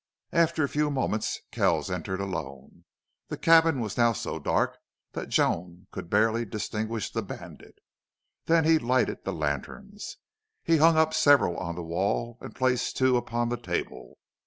After a few moments Kells entered alone. The cabin was now so dark that Joan could barely distinguish the bandit. Then he lighted the lanterns. He hung up several on the wall and placed two upon the table.